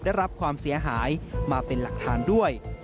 ได้รับความเสียหายมาเป็นหลักฐานด้วย